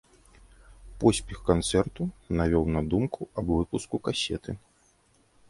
Поспех канцэрту навёў на думку аб выпуску касеты.